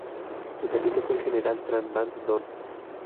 Su teniente fue el General Tran Van Don.